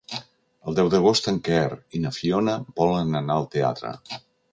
El deu d'agost en Quer i na Fiona volen anar al teatre.